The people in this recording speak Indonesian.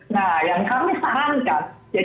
nah yang kami sahankan jadi ada hukumnya